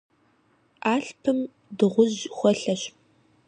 Алъпым дыгъужь хуэлъэщ.